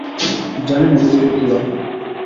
জানি না নিজেকে কী ভাবে।